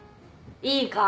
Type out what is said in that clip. いいか？